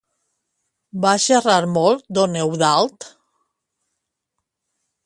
Va xerrar molt don Eudald?